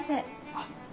あっ。